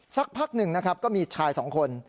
สักพักหนึ่งนะครับก็มีชายสองคน